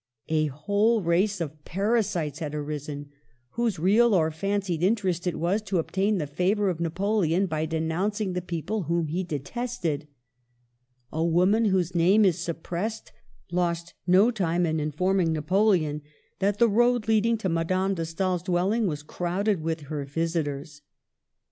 A whole race of parasites had arisen, whose real or fancied interest it was to obtain the favor of Napoleon by denouncing the people whom he detested. A woman, whose name is suppressed, lost no time in informing Napoleon that the road leading to Madame de Stael's dwelling was crowded with her visitors.